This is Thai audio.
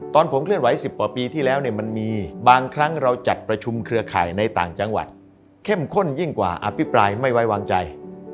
ตอนผมเคลื่อนไหว๑๐กว่าปีที่แล้วเนี่ยมันมีบางครั้งเราจัดประชุมเครือข่ายในต่างจังหวัดเข้มข้นยิ่งกว่าอภิปรายไม่ไว้วางใจ